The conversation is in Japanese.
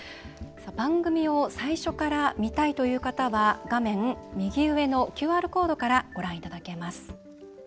番組を最初から見たいという方は画面右上のＱＲコードからご覧いただけます。